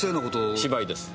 芝居です。